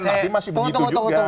tapi masih begitu juga